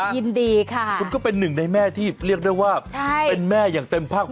ยินดีค่ะคุณก็เป็นหนึ่งในแม่ที่เรียกได้ว่าเป็นแม่อย่างเต็มภาค